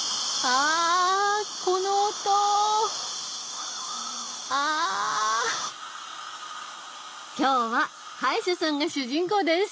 あ今日は歯医者さんが主人公です。